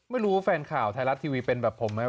ไม่รู้แฟนข่าวไทยรัตน์ทีวีเป็นแบบผมไหม